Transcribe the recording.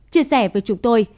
chia sẻ với chúng tôi